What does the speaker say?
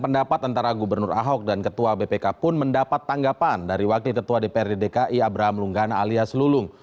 pendapat antara gubernur ahok dan ketua bpk pun mendapat tanggapan dari wakil ketua dprd dki abraham lunggana alias lulung